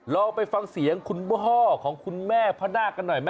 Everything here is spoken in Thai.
ลองไปฟังเสียงคุณพ่อของคุณแม่พระนาคกันหน่อยไหม